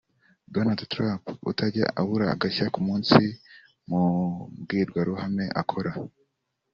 Donald Trump utajya abura agashya k’umunsi mu mbwirwaruhame akora